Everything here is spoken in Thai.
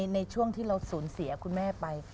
ในช่วงที่เราสูญเสียคุณแม่ไป